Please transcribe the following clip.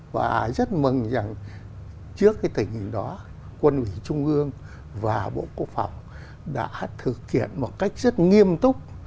và rất mừng rằng trước cái thời kỳ đó quân ủy trung ương và bộ quốc phòng đã thực hiện một cách rất nghiêm túc